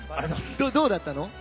どうだったの？